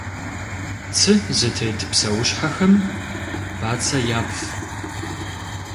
Цы зытет псэущхьэхэм бацэ япхъ.